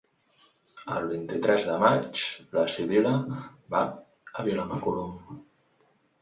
El vint-i-tres de maig na Sibil·la va a Vilamacolum.